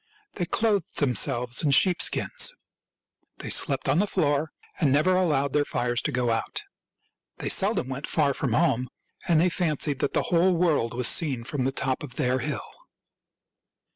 They clothed themselves in sheep , skins. They slept on the floor, and never allowed their fires to go out. They seldom went far from home, and they fancied that the whole world was seen from the top of their hill.